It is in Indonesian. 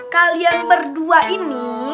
kalian berdua ini